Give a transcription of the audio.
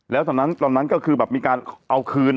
แล้วตอนนั้นก็คือแบบมีการเอาคืน